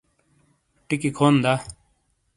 ٹکی کھون دا